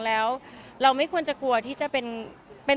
แล้วเราไม่ควรจะกลัวที่จะเป็น